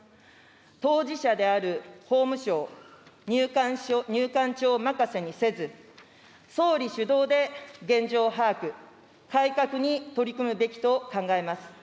当事者である法務省、入管庁任せにせず、総理主導で現状把握、改革に取り組むべきと考えます。